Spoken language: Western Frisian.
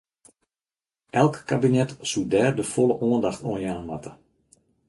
Elk kabinet soe dêr de folle oandacht oan jaan moatte.